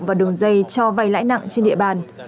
và đường dây cho vay lãi nặng trên địa bàn